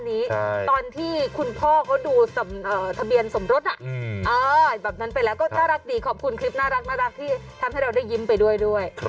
ไม่กล้าหลักจัดแรกจัด